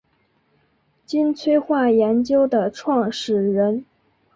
金催化研究的创始人。